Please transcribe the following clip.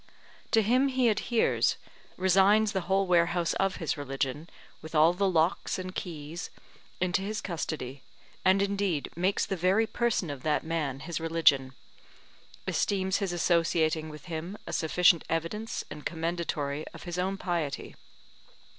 To him he adheres, resigns the whole warehouse of his religion, with all the locks and keys, into his custody; and indeed makes the very person of that man his religion; esteems his associating with him a sufficient evidence and commendatory of his own piety.